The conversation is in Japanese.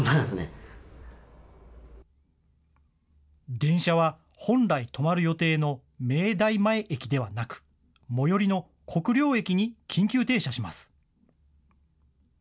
電車は本来、止まる予定の明大前駅ではなく、最寄りの国領駅に緊急停車します。